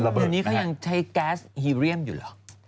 วันนี้เขายังใช้แก๊สฮีเรียมอยู่เหรอ